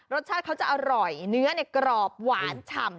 รสชาติเขาจะอร่อยเนื้อกรอบหวานฉ่ำ